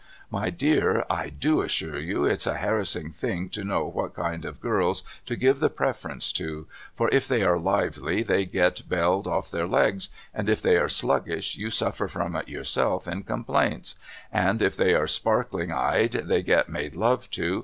My dear I do assure you it's a harassing thing to know what kind of girls to give the preference to, for if fhey are lively they get bell'd off their legs and if they are sluggish you suffer from it yourself in complaints and if they are sparkling eyed they get made love to, and 330 MRS.